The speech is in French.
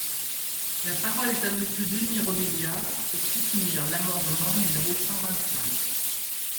La parole est à Monsieur Denys Robiliard, pour soutenir l’amendement numéro cent vingt-cinq.